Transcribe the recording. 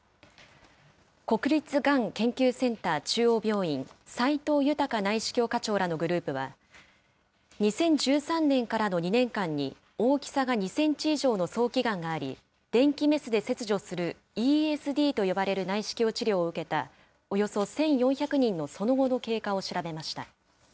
国立がん研究センター中央病院、斎藤豊内視鏡科長らのグループは、２０１３年からの２年間に、大きさが２センチ以上の早期がんがあり、電気メスで切除するＥＳＤと呼ばれる内視鏡治療を受けたおよそ１４００人のその後の経過を調べました。